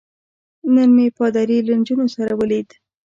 نن مې پادري له نجونو سره ولید.